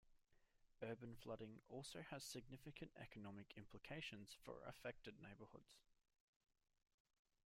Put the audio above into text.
Urban flooding also has significant economic implications for affected neighborhoods.